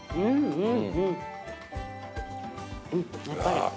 うん。